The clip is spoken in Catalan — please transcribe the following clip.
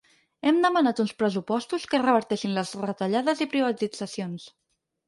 Hem demanat uns pressupostos que reverteixin les retallades i privatitzacions.